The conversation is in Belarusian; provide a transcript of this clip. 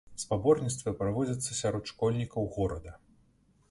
Спаборніцтвы праводзяцца сярод школьнікаў горада.